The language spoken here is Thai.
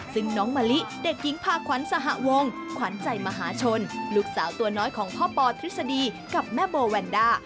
ซึ่งน้องมะลิเด็กหญิงพาขวัญสหวงขวัญใจมหาชนลูกสาวตัวน้อยของพ่อปอทฤษฎีกับแม่โบแวนด้า